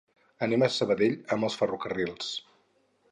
Anem a Sabadell amb els Ferrocarrils.